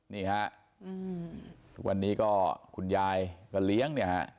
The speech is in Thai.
นี่ฮะทุกวันนี้ก็คุณยายก็เลี้ยงเนี่ยฮะ